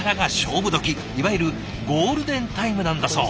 いわゆるゴールデンタイムなんだそう。